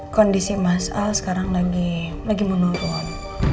kondisi mas al sekarang lagi lagi menurun